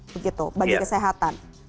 begitu bagi kesehatan